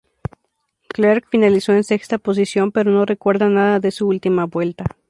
Clarke finalizó en sexta posición, pero no recuerda nada de su última vuelta.